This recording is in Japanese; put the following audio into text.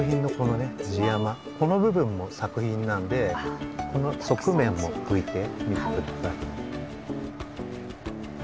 この部分も作品なんでこの側面もふいてみてください。